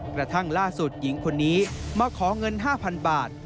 กระทั่งล่าสุดหญิงคนนี้มาขอเงิน๕๐๐๐บาท